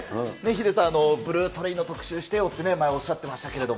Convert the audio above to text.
ヒデさん、ブルートレインの特集してよって前、おっしゃってましたけど。